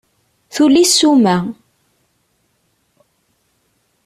Tuli ssuma.